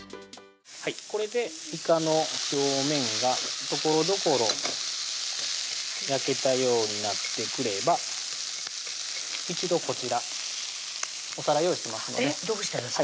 これでいかの表面がところどころ焼けたようになってくれば一度こちらお皿用意してますのでどうしてですか？